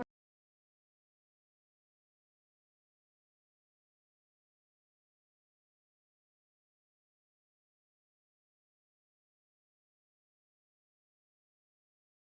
โปรดติดตามตอนต่อไป